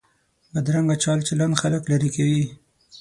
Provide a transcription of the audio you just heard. بدرنګه چال چلند خلک لرې کوي